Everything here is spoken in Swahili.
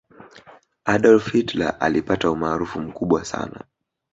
adolf hitler alipata umaarufu mkubwa sana